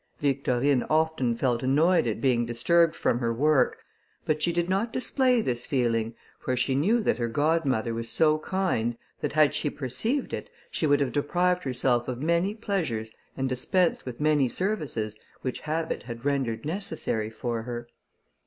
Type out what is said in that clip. Victorine often felt annoyed at being disturbed from her work, but she did not display this feeling; for she knew that her godmother was so kind, that had she perceived it, she would have deprived herself of many pleasures and dispensed with many services, which habit had rendered necessary to her.